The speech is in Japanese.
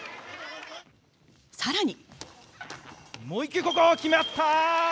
さらに。